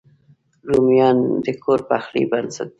رومیان د کور پخلي بنسټ دی